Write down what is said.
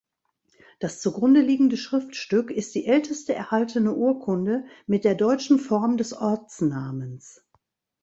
Das zugrundeliegende Schriftstück ist die älteste erhaltene Urkunde mit der deutschen Form des Ortsnamens.